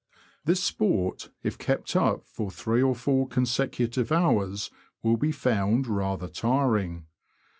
This sport, if kept up for three or four con secutive hours, will be found rather tiring.